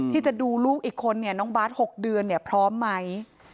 ที่จะดูลูกอีกคนเนี่ยน้องบาท๖เดือนเนี่ยพร้อมไหม